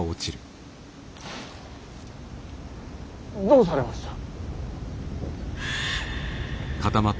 どうされました。